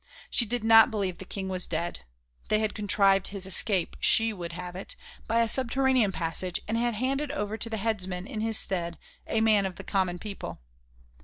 She did not believe the King was dead. They had contrived his escape, she would have it, by a subterranean passage, and had handed over to the headsman in his stead a man of the common people.